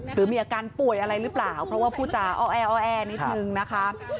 หรือมีอาการป่วยอะไรหรือเปล่าเพราะว่าผู้จาอ้อแอนิดนึงนะคะ